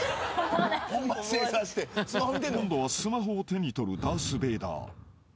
［今度はスマホを手に取るダース・ベイダー］